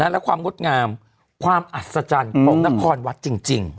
และความงดงามความอัศจรรย์ของนครวัดจริง